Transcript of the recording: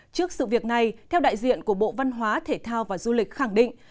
trước sự việc này theo đại diện của bộ văn hóa thể thao và du lịch khẳng định